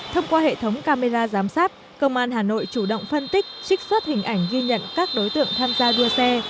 thông qua hệ thống camera giám sát công an hà nội chủ động phân tích trích xuất hình ảnh ghi nhận các đối tượng tham gia đua xe